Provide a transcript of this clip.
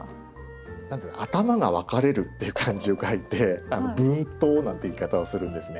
「頭が分かれる」っていう漢字を書いて「分頭」なんて言い方をするんですね。